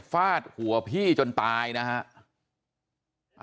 ฟาดหัวพี่จนตายนะฮะ